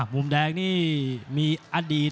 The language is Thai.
มุมแดงมีอดีต